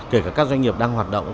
kể cả các doanh nghiệp đang hoạt động